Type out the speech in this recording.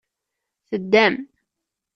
Teddam.